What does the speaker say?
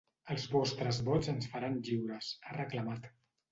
Els vostres vots ens faran lliures, ha reclamat.